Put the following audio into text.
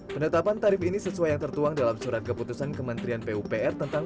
penetapan tarif ini sesuai yang tertuang dalam surat keputusan kementerian pupr tentang